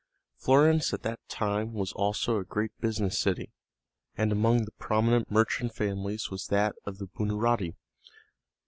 Florence at that time was also a great business city, and among the prominent merchant families was that of the Buonarotti.